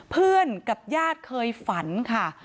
เพื่อนกับญาติเคยฝันค่ะ